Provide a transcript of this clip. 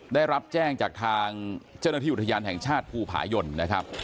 ได้รับแจ้งจากทางเจ้าหน้าที่อุทยานแห่งชาติภูผายนนะครับ